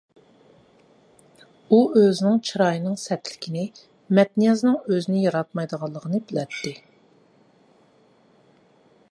ئۇ ئۆزىنىڭ چىرايىنىڭ سەتلىكىنى، مەتنىيازنىڭ ئۆزىنى ياراتمايدىغانلىقىنى بىلەتتى.